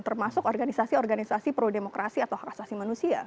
termasuk organisasi organisasi pro demokrasi atau rasasi manusia